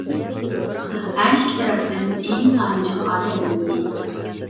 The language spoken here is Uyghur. ھەر ئىككى تەرەپتىن ئىنتايىن جىق ئادەم ئۆلدى.